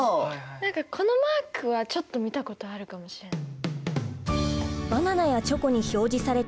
何かこのマークはちょっと見たことあるかもしれない。